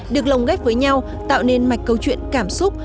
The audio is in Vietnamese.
được lồng ghép với nhau tạo nên mạch câu chuyện cảm xúc